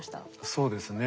そうですね。